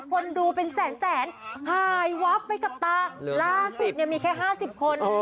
คนดูเป็นแสนแสนหายวับไปกับตาล่าสุดเนี่ยมีแค่๕๐คน